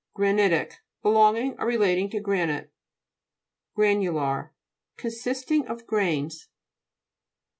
GHANI'TIC Belonging or relating to granite. GRA'NTJLAR Consisting of grains.